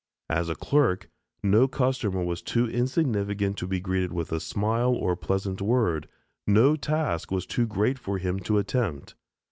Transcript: As a clerk, no customer was too insignificant to be greeted with a smile or pleasant word; no task was too great for him to attempt.